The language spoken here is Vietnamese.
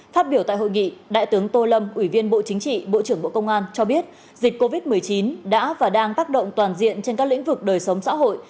phát biểu tại hội nghị đại tướng tô lâm ủy viên bộ chính trị bộ trưởng bộ công an cho biết dịch covid một mươi chín đã và đang tác động toàn diện trên các lĩnh vực đời sống xã hội